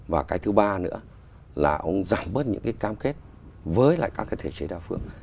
và cái thứ ba nữa là ông giảm bớt những cam kết với các thể trí đa phương